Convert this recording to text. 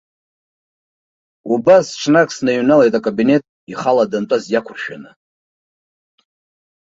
Убас ҽнак сныҩналеит акабинет, ихала дантәаз иақәыршәаны.